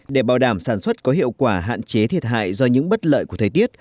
để bảo đảm sản xuất có hiệu quả hạn chế thiệt hại do những bất lợi của thời tiết